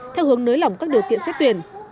theo hướng nới lỏng các điều kiện xét tuyển